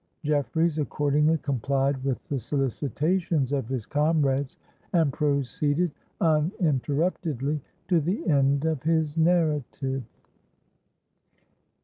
Jeffreys accordingly complied with the solicitations of his comrades, and proceeded uninterruptedly to the end of his narrative.